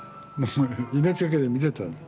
命懸けで見てたの。